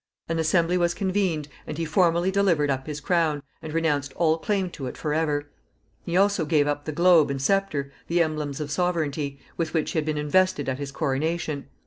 An assembly was convened, and he formally delivered up his crown, and renounced all claim to it forever. He also gave up the globe and sceptre, the emblems of sovereignty, with which he had been invested at his coronation.